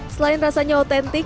selain rasanya otentik